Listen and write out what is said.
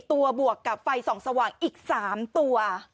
ตัวบวกกับไฟส่องสว่างอีก๓ตัว